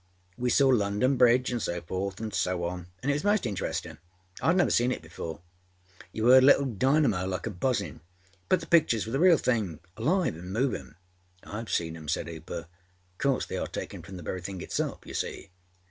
We saw London Bridge anâ so forth anâ so on, anâ it was most interestinâ. Iâd never seen it before. You âeard a little dynamo like buzzinâ, but the pictures were the real thingâalive anâ movinâ.â âIâve seen âem,â said Hooper. âOf course they are taken from the very thing itselfâyou see.